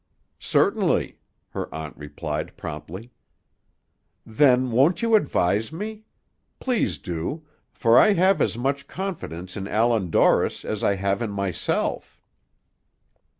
"Certainly," her aunt replied promptly. "Then won't you advise me? Please do; for I have as much confidence in Allan Dorris as I have in myself."